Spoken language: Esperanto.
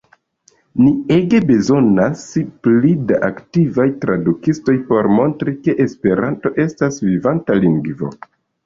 Ni ege bezonas pli da aktivaj tradukistoj por montri ke Esperanto estas vivanta lingvo.